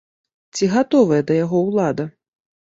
Ці гатовая да яго ўлада?